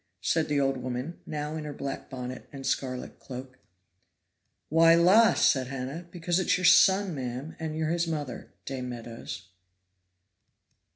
said the old woman, now in her black bonnet and scarlet cloak. "Why, la!" says Hannah, "because it's your son, ma'am and you're his mother, Dame Meadows!"